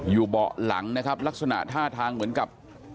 เบาะหลังนะครับลักษณะท่าทางเหมือนกับ